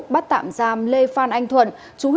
bắt tạm giam lê phan anh thuận